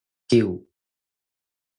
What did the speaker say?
勼